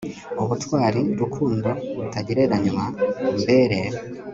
ubutwari, rukundo rutagereranywa, umbere